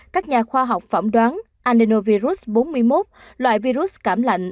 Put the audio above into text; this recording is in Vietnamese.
các nhà khoa học phỏng đoán adenovirus bốn mươi một loại virus cảm lạnh